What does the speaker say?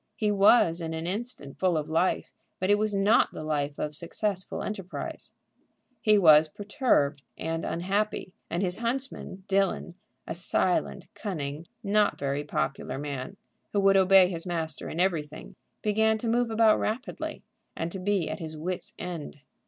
He was in an instant full of life, but it was not the life of successful enterprise. He was perturbed and unhappy, and his huntsman, Dillon, a silent, cunning, not very popular man, who would obey his master in everything, began to move about rapidly, and to be at his wit's end.